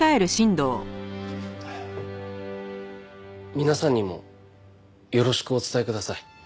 皆さんにもよろしくお伝えください。